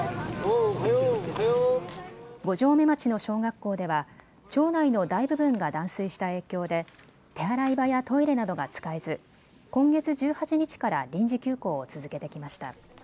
五城目町の小学校では町内の大部分が断水した影響で手洗い場やトイレなどが使えず今月１８日から臨時休校を続けてきました。